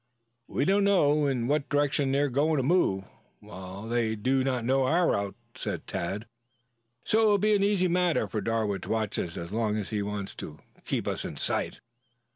"We don't know in what direction they're going to move, while they do know our route," said Tad. "So it will be an easy matter for Darwood to watch us as long as he wants to keep us in sight."